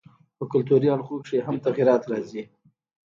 په کلتوري اړخونو کښي ئې هم تغيرات راځي.